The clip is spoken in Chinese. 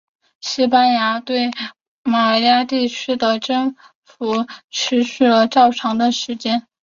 西班牙对玛雅地区的征服持续了较长的时间。